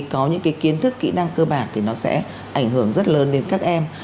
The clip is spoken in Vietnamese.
có những kiến thức kỹ năng cơ bản thì nó sẽ ảnh hưởng rất lớn đến các em